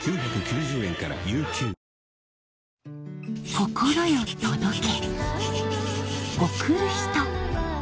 心よ届け